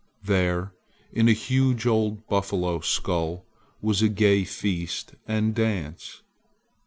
There in a huge old buffalo skull was a gay feast and dance!